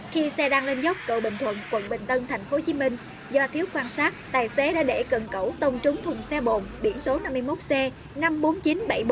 khi xe đang lên dốc cầu bình thuận quận bình tân tp hcm do thiếu quan sát tài xế đã để cần cẩu tông trúng thùng xe bồn biển số năm mươi một c năm mươi bốn nghìn chín trăm bảy mươi một